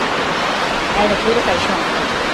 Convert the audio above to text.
É de puro caixón.